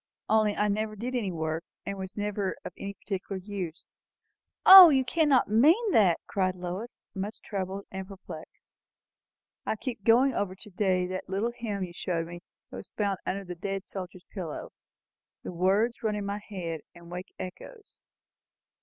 Only I never did any work, and was never of any particular use." "O, you cannot mean that!" cried Lois, much troubled and perplexed. "I keep going over to day that little hymn you showed me, that was found under the dead soldier's pillow. The words run in my head, and wake echoes.